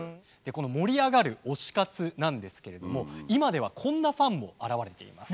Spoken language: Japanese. この盛り上がる推し活なんですけれども今ではこんなファンも現れています。